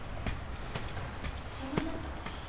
邪魔になった？